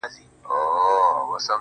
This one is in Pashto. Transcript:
o دا درې جامونـه پـه واوښـتـل.